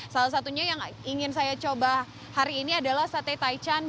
salah satunya yang ingin saya coba hari ini adalah sate taichan